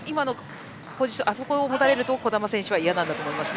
あそこを持たれると児玉選手は嫌なんだと思います。